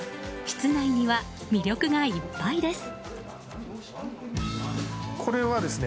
室内には魅力がいっぱいです。